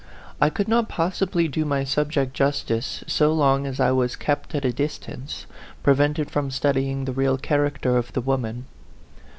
I could not possibly do my subject justice so long as I was kept at a distance, prevented from studying the real character of the wom an.